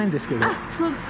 あっそっか。